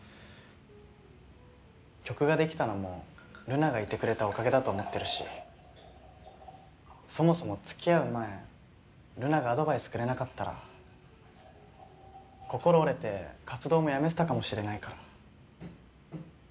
曲が出来たのも留奈がいてくれたおかげだと思ってるしそもそもつきあう前留奈がアドバイスくれなかったら心折れて活動もやめてたかもしれないから。